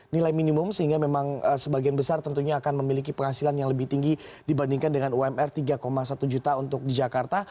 nilai minimum sehingga memang sebagian besar tentunya akan memiliki penghasilan yang lebih tinggi dibandingkan dengan umr tiga satu juta untuk di jakarta